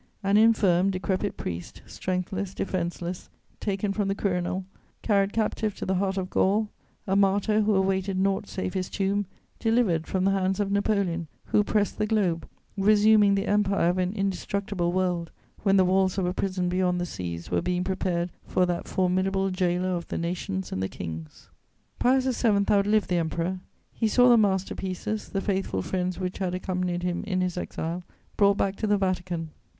An infirm, decrepit priest, strengthless, defenseless, taken from the Quirinal, carried captive to the heart of Gaul; a martyr, who awaited naught save his tomb, delivered from the hands of Napoleon, who pressed the globe, resuming the empire of an indestructible world, when the walls of a prison beyond the seas were being prepared for that formidable gaoler of the nations and the kings! Pius VII. outlived the Emperor; he saw the master pieces, the faithful friends which had accompanied him in his exile, brought back to the Vatican.